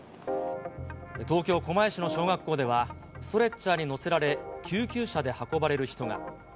東京・狛江市の小学校では、ストレッチャーに乗せられ、救急車で運ばれる人が。